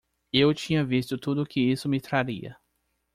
Eu tinha visto tudo o que isso me traria.